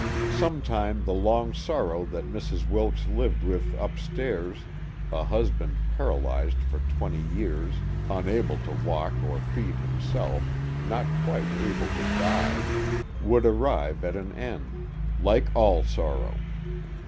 Some time the long sorrow that Mrs. Wilks lived with upstairs a husband paralyzed for twenty years, unable to walk or feed himself, not quite able to die would arrive at an end. Like all sorrow.